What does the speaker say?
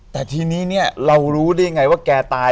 แต่ทีนี้เนี่ยเรารู้ได้ยังไงว่าแกตาย